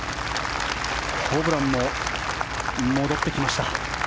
ホブランも戻ってきました。